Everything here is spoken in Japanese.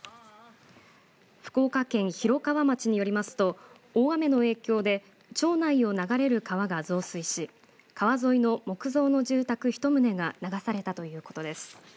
福岡県広川町によりますと大雨の影響で町内を流れる川が増水し川沿いの木造の住宅１棟が流されたということです。